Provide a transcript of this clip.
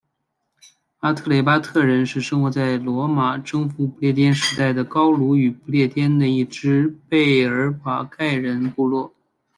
阿特雷巴特人是生活在罗马征服不列颠时代的高卢与不列颠的一只贝尔盖人部落。